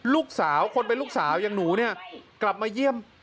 ลูกสาวคนเป็นลูกสาวอย่างหนูเนี่ยกลับมาเยี่ยม